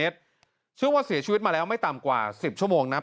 เชื่อว่าเสียชีวิตมาแล้วไม่ต่ำกว่า๑๐ชั่วโมงนับ